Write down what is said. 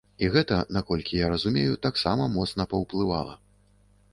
І гэта, наколькі я разумею, таксама моцна паўплывала.